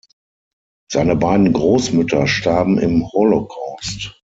Seine beiden Großmütter starben im Holocaust.